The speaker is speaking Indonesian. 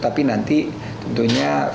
tapi nanti tentunya finalisasi